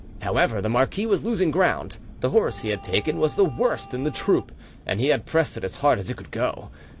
However, the marquis was losing ground; the horse he had taken was the worst in the troop, and he had pressed it as hard as it could go.